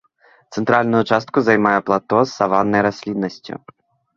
Цэнтральную частку займае плато з саваннай расліннасцю.